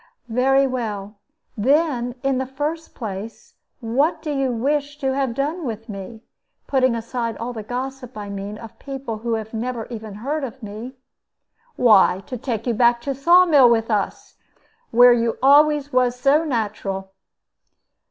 "Very well. Then, in the first place, what do you wish to have done with me? Putting aside all the gossip, I mean, of people who have never even heard of me." "Why, to take you back to Saw mill with us, where you always was so natural."